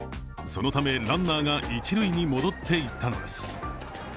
そのためランナーが一塁に戻っていったのです。